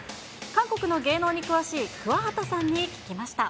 韓国の芸能に詳しい桑畑さんに聞きました。